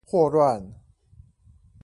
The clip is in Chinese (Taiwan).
霍亂